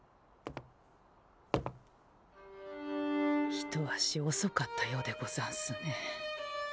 一足おそかったようでござんすね。